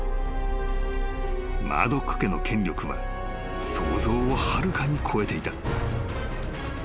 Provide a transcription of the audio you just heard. ［マードック家の権力は想像をはるかに超えていた］